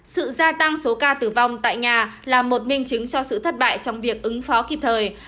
sự gia tăng số ca tử vong tại nhà là một minh chứng cho sự thất bại trong việc ứng phó kịp thời